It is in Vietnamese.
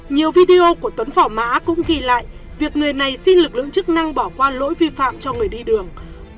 nhiều video của tuấn phỏ mã cũng ghi lại việc người này xin lực lượng chức năng bỏ qua lỗi vi phạm cho người đi đường